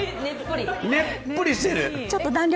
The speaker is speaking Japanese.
ねっぷりしてる。